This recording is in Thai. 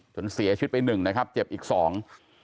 จนเสียชีวิตไปหนึ่งนะครับเจ็บอีกสอง